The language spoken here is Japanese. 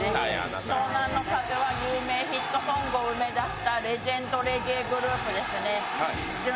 湘南乃風は有名ヒットソングを生み出したレジェンドレゲエグループですね。